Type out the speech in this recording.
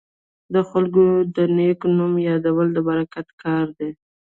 د خلکو د نیک نوم یادول د برکت کار دی.